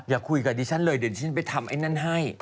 อย่าคุยกับดิฉันเลยเดี๋ยวดิฉันไปทำไอ้นั่นให้